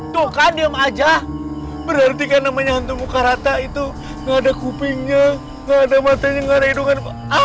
tuh kan diem aja berarti kan namanya muka rata itu ada kupingnya ada matanya hidungan